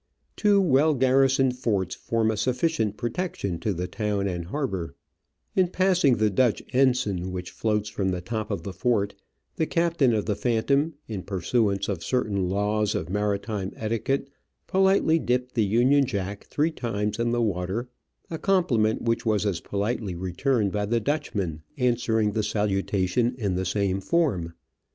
Two well garrisoned forts form a sufficient protection to the town and harbour. Digitized by VjOOQIC OF AN Orchid Hunter, 'y^'}^ In passing the Dutch ensign which floats from the top of the fort, the captain of the Phantom, in pur suance of certain laws of maritime etiquette, politely dipped the Union Jack three times in the water, a compliment which was as politely returned by the Dutchmen answering the salutation in the same form.